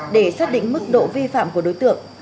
để xác định mức độ vi phạm của đối tượng